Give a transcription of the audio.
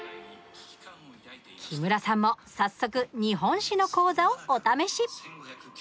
木村さんも早速、日本史の講座をお試し。